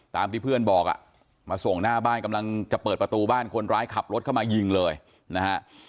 ตามที่เพื่อนบอกอ่ะมาส่งหน้าบ้านกำลังจะเปิดประตูบ้านคนร้ายขับรถเข้ามายิงเลยนะฮะ